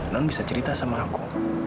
non bisa cerita sama aku